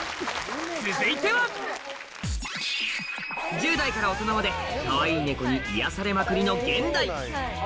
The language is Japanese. １０代から大人までかわいい猫に癒やされまくりの現代！